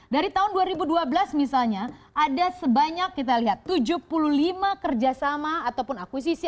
dari tahun dua ribu dua belas misalnya ada sebanyak kita lihat tujuh puluh lima kerjasama ataupun akuisisi